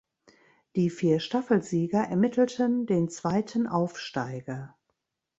Die vier Staffelsieger ermittelten den zweiten Aufsteiger.